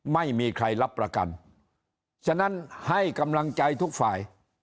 ไม่มีใครรับประกันฉะนั้นให้กำลังใจทุกฝ่าย